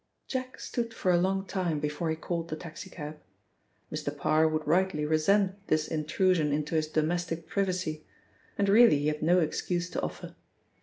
Jack stood for a long time before he called the taxi cab. Mr. Parr would rightly resent this intrusion into his domestic privacy, and really he had no excuse to offer.